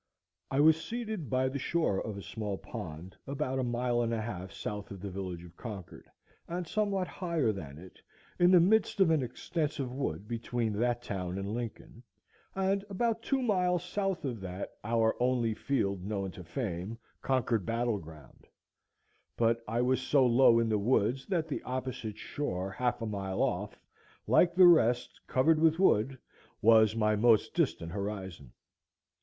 I was seated by the shore of a small pond, about a mile and a half south of the village of Concord and somewhat higher than it, in the midst of an extensive wood between that town and Lincoln, and about two miles south of that our only field known to fame, Concord Battle Ground; but I was so low in the woods that the opposite shore, half a mile off, like the rest, covered with wood, was my most distant horizon.